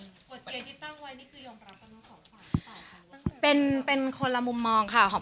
กฎเกณฑ์ที่ตั้งไว้นี่คือยอมรับประโยชน์ของหอม